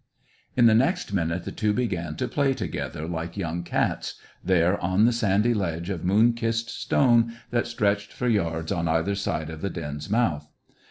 In the next minute the two began to play together like young cats, there on the sandy ledge of moon kissed stone that stretched for yards on either side of the den's mouth.